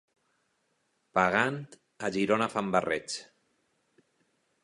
Pagant, a Girona fan barrets.